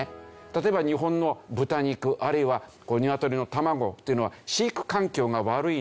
例えば日本の豚肉あるいは鶏の卵というのは飼育環境が悪いので。